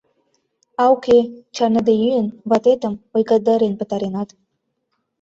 А уке, чарныде йӱын, ватетым ойгандарен пытаренат!